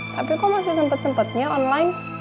tapi kok masih sempet sempetnya online